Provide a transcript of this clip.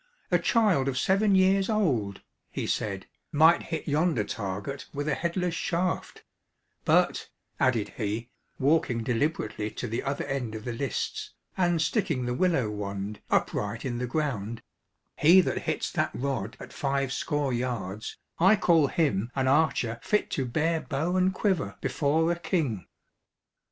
A child of seven years old," he said, "might hit yonder target with a headless shaft; but," added he, walking deliberately to the other end of the lists, and sticking the willow wand upright in the ground, "he that hits that rod at five score yards, I call him an archer fit to bear bow and quiver before a king."